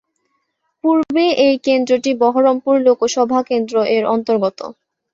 পূর্বে এই কেন্দ্রটি বহরমপুর লোকসভা কেন্দ্র এর অন্তর্গত।